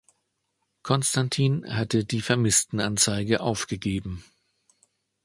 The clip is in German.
Konstantin hatte die Vermisstenanzeige aufgegeben.